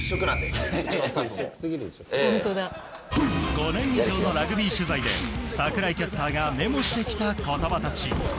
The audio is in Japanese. ５年以上のラグビー取材で櫻井キャスターがメモしてきた言葉たち。